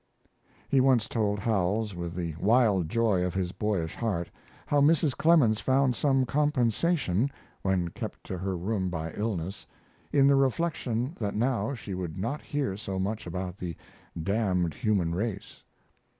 He once told Howells, with the wild joy of his boyish heart, how Mrs. Clemens found some compensation, when kept to her room by illness, in the reflection that now she would not hear so much about the "damned human race."